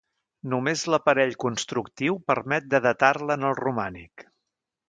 Només l'aparell constructiu permet de datar-la en el romànic.